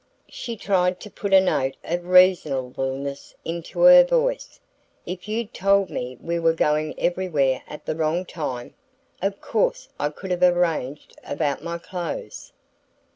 She tried to put a note of reasonableness into her voice. "If you'd told me we were going everywhere at the wrong time, of course I could have arranged about my clothes."